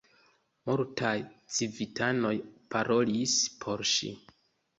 Multaj civitanoj parolis por ŝi.